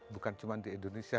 bukan cuma di indonesia